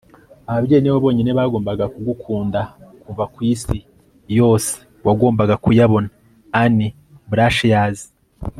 ababyeyi ni bo bonyine bagombaga kugukunda; kuva ku isi yose wagombaga kuyabona. - ann brashares